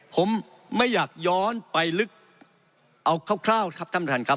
ผมไม่อยากย้อนไปลึกเอาคร่าวนะครับท่านประธานครับ